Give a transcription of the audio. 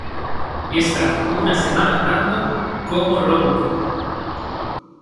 y estar una semana andando como Robocop.